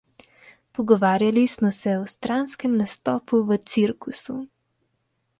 Pogovarjali smo se o stranskem nastopu v cirkusu.